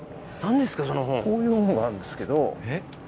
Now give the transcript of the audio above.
こういう本があるんですけど。